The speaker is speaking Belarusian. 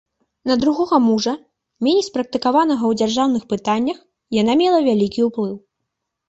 На другога мужа, меней спрактыкаванага ў дзяржаўных пытаннях, яна мела вялікі ўплыў.